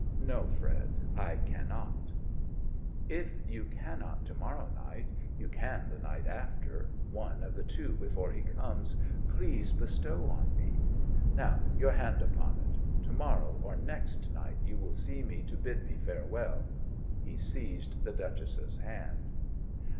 'No, Fred, I cannot.' 'If you cannot to morrow night, you can the night after; one of the two before he comes please bestow on me. Now, your hand upon it! To morrow or next night you will see me to bid me farewell!' He seized the Duchess's hand.